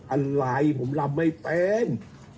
อะไรผมรำไม่เป็น